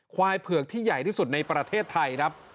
เผือกที่ใหญ่ที่สุดในประเทศไทยครับ